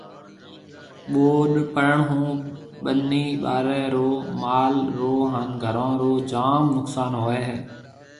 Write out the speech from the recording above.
ٻوڏ پڙڻ ھون ٻني ٻارَي رو، مال رو ھان گھرون رو جام نقصان ھوئيَ ھيََََ